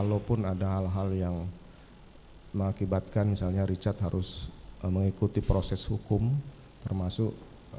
walaupun ada hal hal yang mengakibatkan misalnya richard harus mengikuti proses hukum termasuk